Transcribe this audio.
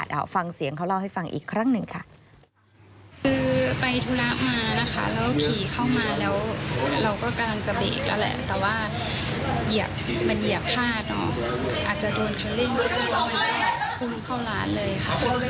เดี๋ยวฟังเสียงเขาเล่าให้ฟังอีกครั้งหนึ่งค่ะ